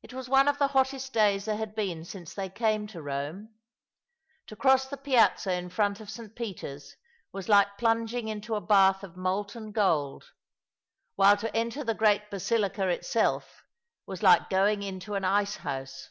It was one of the hottest days there had been since they came to Kome. To cross the Piazza in front of St. Peter's was like plunging into a bath of molten gold ; while to enter the great Basilica itself was like going into an ice housa.